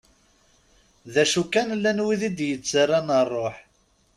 D acu kan llan wid i d-yettaran rruḥ.